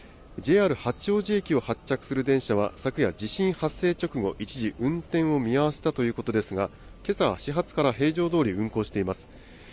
ＪＲ八王子駅を発着する電車は、昨夜、地震発生直後、一時運転を見合わせたということですが、けさは始発から平常どおり、運行しています。